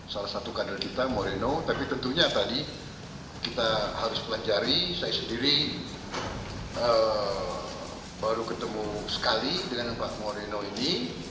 salah satu kader kita moreno tapi tentunya tadi kita harus pelajari saya sendiri baru ketemu sekali dengan pak moreno ini